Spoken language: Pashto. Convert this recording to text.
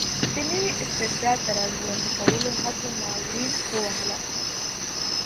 د نوي استبداد د را ژوندي کولو هڅو ناورین ووهله.